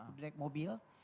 udah naik mobil